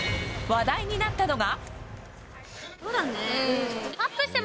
話題になったのが。